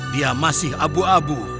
dia masih abu abu